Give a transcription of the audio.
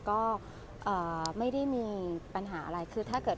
ก็ไม่ได้มีปัญหาอะไร